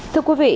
thưa quý vị